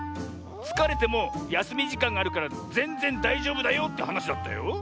つかれてもやすみじかんがあるからぜんぜんだいじょうぶだよってはなしだったよ。